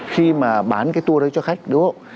khi mà bán cái tour đấy cho khách đúng không